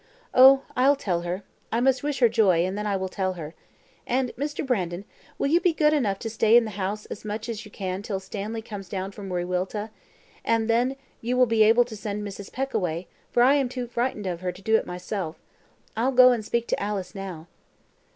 "Oh, I'll tell her: I must wish her joy, and then I will tell her. And, Mr. Brandon, will you be good enough to stay in the house as much as you can till Stanley comes down from Wiriwilta, and then you will be able to send Mrs. Peck away, for I am too frightened of her to do it myself. I'll go and speak to Alice now."